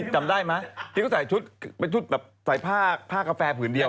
จำได้มั้ยที่เขาใส่ชุดแบบใส่ผ้ากาแฟผืนเดียว